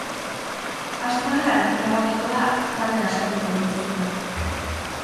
Aste honetan erabakiko da talde askoren etorkizuna.